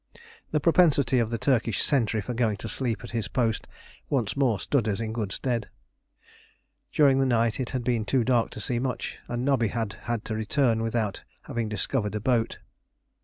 The propensity of the Turkish sentry for going to sleep at his post once more stood us in good stead. During the night it had been too dark to see much, and Nobby had had to return without having discovered a boat.